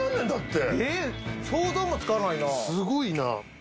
すごいな。